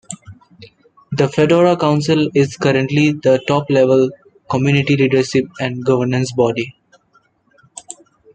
The Fedora Council is currently the top-level community leadership and governance body.